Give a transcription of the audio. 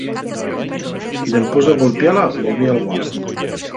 Dempués de golpiala, volvía al gua.